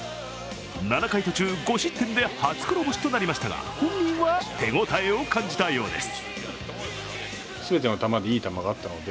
７回途中５失点で初黒星となりましたが本人は手応えを感じたようです。